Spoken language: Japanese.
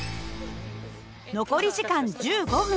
残り時間１５分。